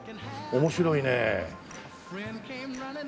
面白いね。